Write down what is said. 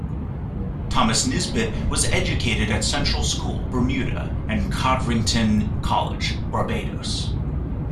Thomas Nisbett was educated at Central School, Bermuda, and Codrington College, Barbados.